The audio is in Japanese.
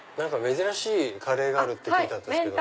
珍しいカレーがあるって聞いたんですけど。